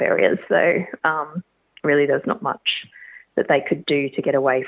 jadi sebenarnya tidak ada banyak yang mereka bisa lakukan